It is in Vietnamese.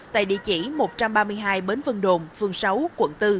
tại địa chỉ một trăm ba mươi hai bến vân đồn phường sáu quận bốn